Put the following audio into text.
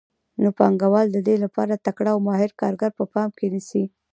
نو پانګوال د دې کار لپاره تکړه او ماهر کارګر په پام کې نیسي